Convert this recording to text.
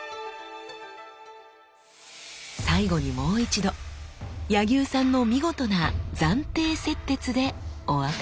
最後にもう一度柳生さんの見事な斬釘截鉄でお別れです。